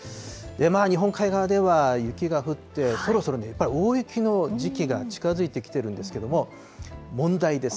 日本海側では雪が降って、そろそろ大雪の時期が近づいてきてるんですけれども、問題です。